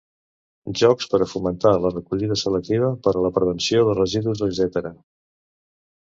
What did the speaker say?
Jocs per a fomentar la recollida selectiva, per a la prevenció de residus, etcètera.